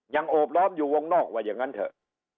โอบล้อมอยู่วงนอกว่าอย่างนั้นเถอะ